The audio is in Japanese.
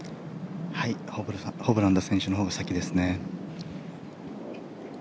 ホブラン選手のほうが先ですね。